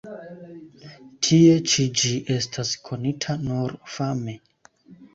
Tie ĉi ĝi estas konita nur fame.